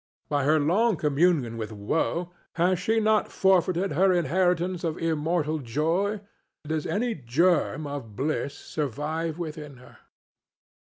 By her long communion with woe has she not forfeited her inheritance of immortal joy? Does any germ of bliss survive within her?